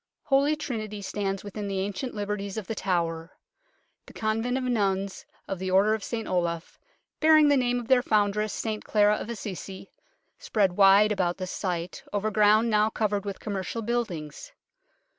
Holy Trinity stands within the ancient liberties of The Tower. The convent of nuns of the Order of St Olave, bearing the name of their foundress, Santa Clara of Assisi, spread wide about this site, over ground now covered with commercial buildings.